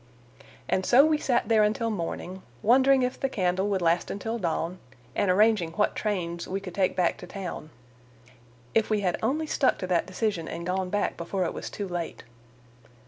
And so we sat there until morning, wondering if the candle would last until dawn, and arranging what trains we could take back to town. If we had only stuck to that decision and gone back before it was too late!